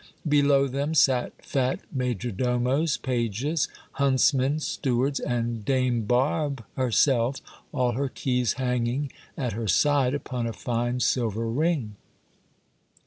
Below them sat fat major domos, pages, huntsmen, stewards, and Dame Barbe herself, all her keys hanging at her side upon a fine silver ring.